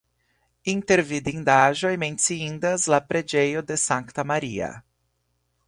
Inter vidindaĵoj menciindas la preĝejo de Sankta Maria.